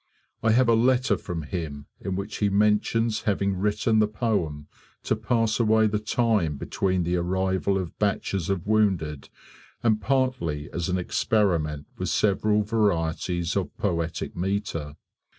I have a letter from him in which he mentions having written the poem to pass away the time between the arrival of batches of wounded, and partly as an experiment with several varieties of poetic metre.